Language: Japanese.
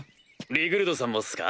リグルドさんもっすか？